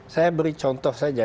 saya beri contoh saja